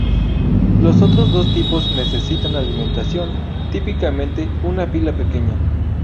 Los otros dos tipos necesitan alimentación, típicamente una pila pequeña.